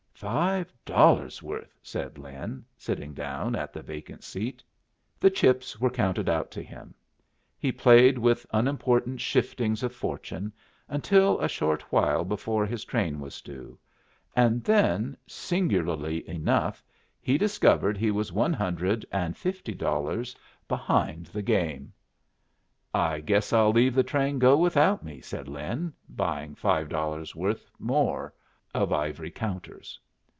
"Five dollars' worth," said Lin, sitting down in the vacant seat. The chips were counted out to him. He played with unimportant shiftings of fortune until a short while before his train was due, and then, singularly enough, he discovered he was one hundred and fifty dollars behind the game. "I guess I'll leave the train go without me," said Lin, buying five dollars' worth more of ivory counters.